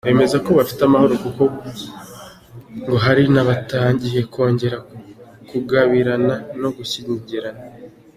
Bemeza ko bafite amahoro kuko ngo hari n’abatangiye kongera kugabirana no gushyingirana.